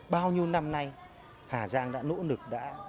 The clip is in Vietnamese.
bao nhiêu năm nay hà giang đã nỗ lực